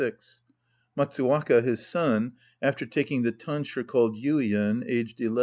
Matsuwaka, his son (after taking the tonsure called Yuien), aged 11.